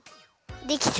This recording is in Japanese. できた。